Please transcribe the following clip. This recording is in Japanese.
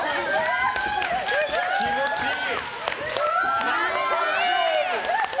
気持ちいい。